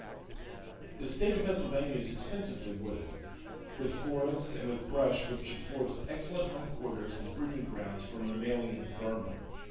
The State of Pennsylvania is extensively wooded, with forests and with brush which affords excellent home quarters and breeding grounds for mammalian "vermin."